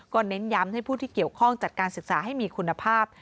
เน้นย้ำให้ผู้ที่เกี่ยวข้องจัดการศึกษาให้มีคุณภาพ